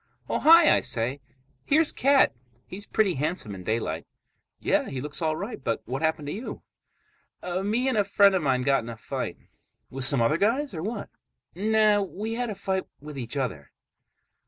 "Oh, hi!" I say. "Here's Cat. He's pretty handsome in daylight." "Yeah, he looks all right, but what happened to you?" "Me and a friend of mine got in a fight." "With some other guys or what?" "Nah. We had a fight with each other."